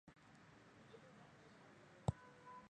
大部分歌唱都是在无伴奏合唱中完成的。